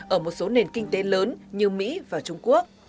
ở một số nền kinh tế lớn như mỹ và trung quốc